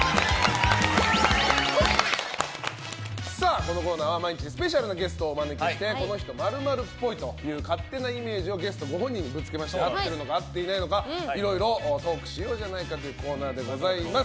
このコーナーは毎日スペシャルなゲストをお招きしてこの人、○○っぽいという勝手なイメージをゲストご本人にぶつけまして合っているのか合っていないのかいろいろトークしようというコーナーでございます。